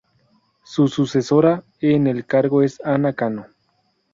Su sucesora en el cargo es Ana Cano.